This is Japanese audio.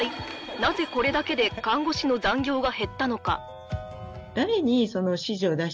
なぜこれだけで看護師の残業が減ったのか？